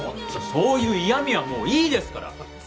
そういう嫌味はもういいですからお守りは？